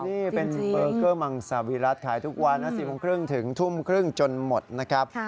นี่เป็นเบอร์เกอร์มังสาวิรัติขายทุกวันจนหมดนะครับ